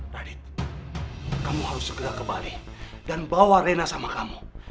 radit kamu harus segera ke bali dan bawa reyna sama kamu